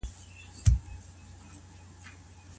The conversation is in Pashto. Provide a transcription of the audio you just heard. دينداره مينځه ولي تر نورو افضله ده؟